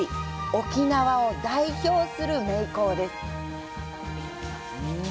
沖縄を代表する名工です。